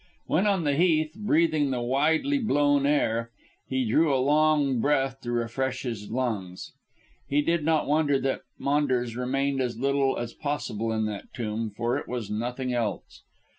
When on the Heath, breathing the widely blown air, he drew a long breath to refresh his lungs. He did not wonder that Maunders remained as little as possible in that tomb, for it was nothing else.